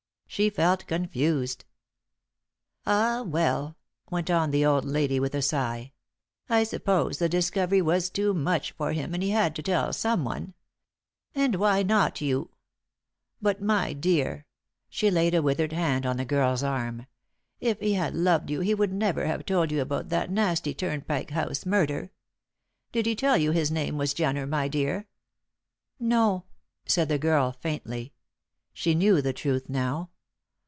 She felt confused. "Ah, well," went on the old lady, with a sigh, "I suppose the discovery was too much for him and he had to tell someone. And why not you? But, my dear," she laid a withered hand on the girl's arm, "if he had loved you he would never have told you about that nasty Turnpike House murder. Did he tell you his name was Jenner, my dear?" "No," said the girl, faintly. She knew the truth now.